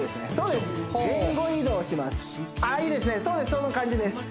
その感じです